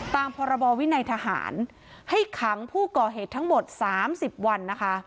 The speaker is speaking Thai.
ตามพรบวินัยทหารให้ขังผู้ก่อเหตุทั้งหมด๓๐วันนะคะ